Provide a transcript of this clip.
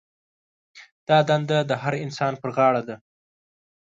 دا دنده د هر نسل پر غاړه ده.